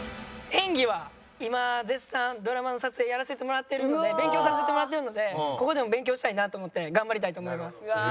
演技は今絶賛ドラマの撮影やらせてもらってるので勉強させてもらってるのでここでも勉強したいなと思って頑張りたいと思います。